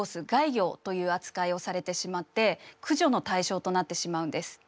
魚という扱いをされてしまって駆除の対象となってしまうんです。